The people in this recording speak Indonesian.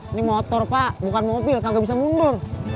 ini motor pak bukan mobil nggak bisa mundur